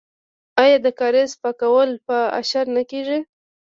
آیا د کاریز پاکول په اشر نه کیږي؟